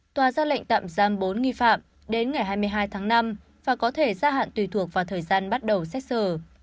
tòa ra lệnh tạm giam bốn nghi phạm đến ngày hai mươi hai tháng năm và có thể gia hạn tùy thuộc vào thời gian bắt đầu xét xử